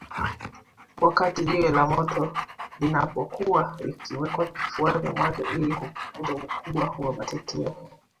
wakati jiwe la moto linapokuwa likiwekwa kifuani mwake ili kupunguza ukubwa wa matiti yake